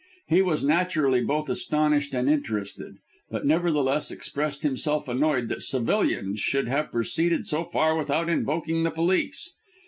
He was naturally both astonished and interested, but nevertheless expressed himself annoyed that civilians should have proceeded so far without invoking the police.